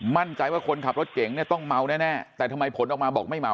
มั่นใจว่าคนขับรถเก่งเนี่ยต้องเมาแน่แต่ทำไมผลออกมาบอกไม่เมา